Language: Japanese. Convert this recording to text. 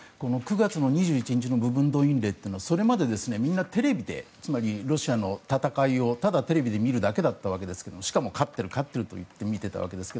９月２１日の部分動員令というのはそれまでみんなロシアの戦いをただテレビで見るだけだったわけですがしかも勝っているといって見ていたわけです。